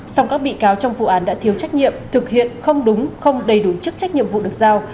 song các bị cáo trong vụ án đã thiếu trách nhiệm thực hiện không đúng không đầy đủ chức trách nhiệm vụ được giao